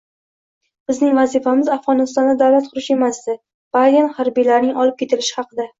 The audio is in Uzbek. «Bizning vazifamiz Afg‘onistonda davlat qurish emasdi» - Bayden harbiylarning olib ketilishi haqida